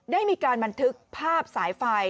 ได้มีการบันทึกภาพสายไฟ